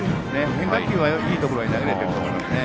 変化球はいいところに投げれていると思いますね。